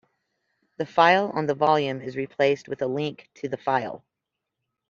The file on the volume is replaced with a link to the file.